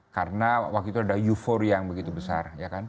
karena waktu itu ada eufori yang begitu besar